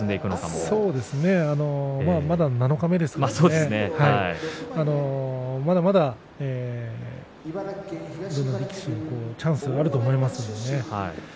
ただ、まだ七日目ですからまだまだどの力士もチャンスがあると思いますしね。